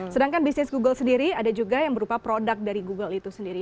sedangkan bisnis google sendiri ada juga yang berupa produk dari google itu sendiri